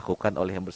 kita lihat di sini